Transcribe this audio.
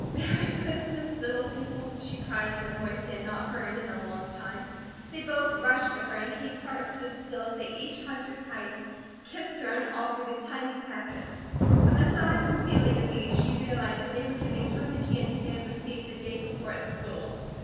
"Merry Christmas, little people," she cried in a voice they had not heard in a long time. They both rushed to her and Kate's heart stood still as they each hugged her tight, kissed her, and offered a tiny packet. From the size and feeling of these, she realized that they were giving her the candy they had received the day before at school.